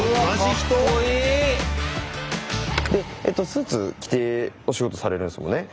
スーツ着てお仕事されるんですもんね。